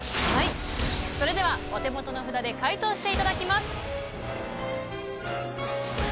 それではお手元の札で解答していただきます。